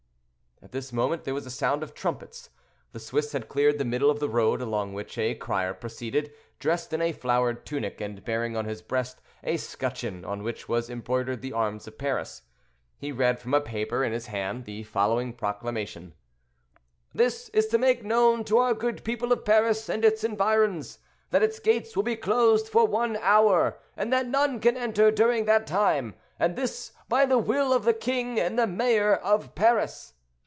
At this moment there was a sound of trumpets. The Swiss had cleared the middle of the road, along which a crier proceeded, dressed in a flowered tunic, and bearing on his breast a scutcheon on which was embroidered the arms of Paris. He read from a paper in his hand the following proclamation: "This is to make known to our good people of Paris and its environs, that its gates will be closed for one hour, and that none can enter during that time; and this by the will of the king and the mayor of Paris."